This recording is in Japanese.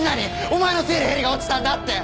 お前のせいでヘリが落ちたんだって。